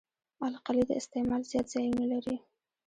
القلي د استعمال زیات ځایونه لري.